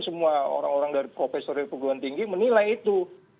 semua orang orang dari profesor dari perguruan tinggi menilai itu